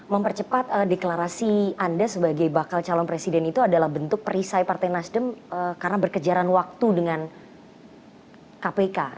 mempercepat deklarasi anda sebagai bakal calon presiden itu adalah bentuk perisai partai nasdem karena berkejaran waktu dengan kpk